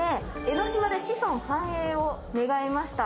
江の島で子孫繁栄を願いました。